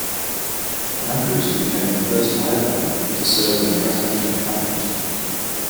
Andrus became the first Idahoan to serve in a Presidential Cabinet.